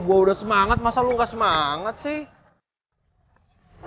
gue udah semangat masa lu gak semangat sih